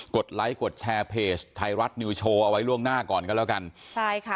ไลค์กดแชร์เพจไทยรัฐนิวโชว์เอาไว้ล่วงหน้าก่อนก็แล้วกันใช่ค่ะ